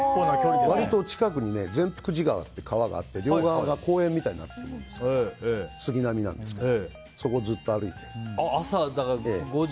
割と近くに川もあって両側が公園みたいになってるんですけど杉並なんですけどそこをずっと歩いて。